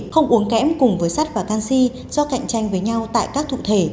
không uống kém cùng với sắt và canxi do cạnh tranh với nhau tại các thụ thể